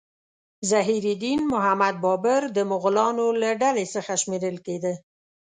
ظهیر الدین محمد بابر د مغولانو له ډلې څخه شمیرل کېده.